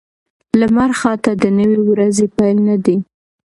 لمرخاته د نوې ورځې پیل نه دی.